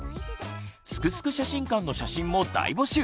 「すくすく写真館」の写真も大募集！